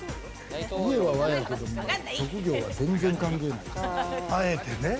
家は和やけども、職業は全然関係ないとか。